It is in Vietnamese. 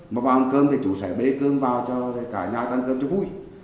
mà vào ăn cơm thì chú sẽ bế cơm vào cho cả nhà ăn cơm cho vui